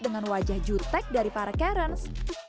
dengan wajah jutek dari para karens